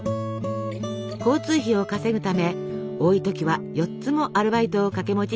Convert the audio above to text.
交通費を稼ぐため多い時は４つもアルバイトを掛け持ちしていたとか。